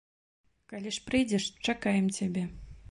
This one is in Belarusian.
Калі ж прыйдзеш, чакаем цябе.